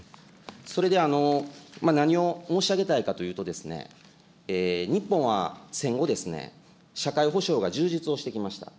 それで、何を申し上げたいかというと、日本は戦後、社会保障が充実をしてきました。